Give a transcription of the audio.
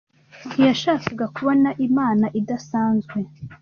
ntiyashakaga kubona imana idasanzwe